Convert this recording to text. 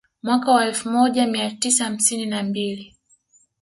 Mwaka wa elfu moja mia tisa hamsini na mbili